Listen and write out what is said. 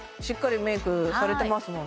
しっかりメイクされてます